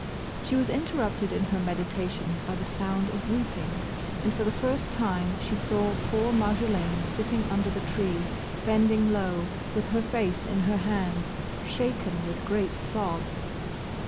She was interrupted in her meditations by the sound of weeping, and for the first time, she saw poor Marjolaine sitting under the tree, bending low, with her face in her hands, shaken with great sobs.